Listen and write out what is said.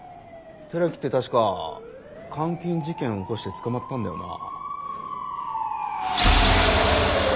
寺木って確か監禁事件起こして捕まったんだよな。